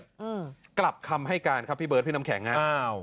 อืมกลับคำให้การครับพี่เบิร์ดพี่น้ำแข็งฮะอ้าว